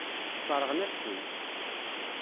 Sseṛɣen-as-ten.